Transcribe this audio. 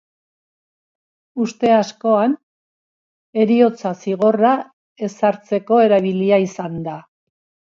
Uste askoan heriotza zigorra ezartzeko erabilia izan da.